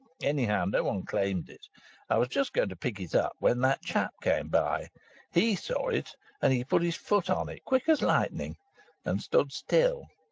Anyhow, no one claimed it. I was just going to pick it up when that chap came by. He saw it, and he put his foot on it as quick as lightning, and stood still.